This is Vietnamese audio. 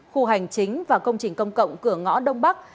khu hành chính và công trình công cộng cửa ngõ đông bắc